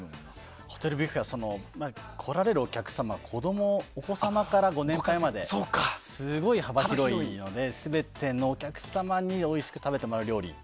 ホテルビュッフェは来られるお客様がお子様からご年配まですごい幅広いので全てのお客様においしく食べてもらえる料理